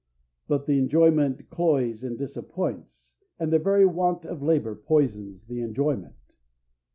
But the enjoyment cloys and disappoints, and the very want of labor poisons the enjoyment.